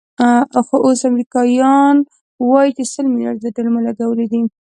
خو اوس امریکایان وایي چې سل ملیارده ډالر مو لګولي دي.